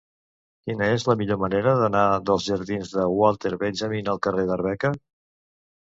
Quina és la millor manera d'anar dels jardins de Walter Benjamin al carrer d'Arbeca?